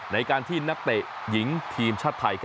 ในการที่นักเตะหญิงทีมชาติไทย